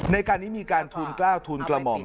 ในการนี้มีการทูลกล้าวทูลกระหม่อม